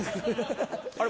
あれ？